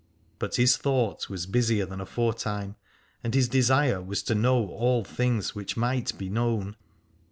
But his thought was busier than aforetime, and his desire was to 229 Alad ore know all things which might be known.